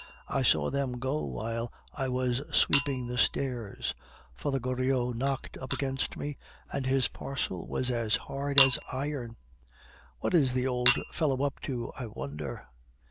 I saw them go while I was sweeping the stairs; Father Goriot knocked up against me, and his parcel was as hard as iron. What is the old fellow up to, I wonder?